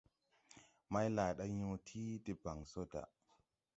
Maylaada yõõ yii debaŋ so da.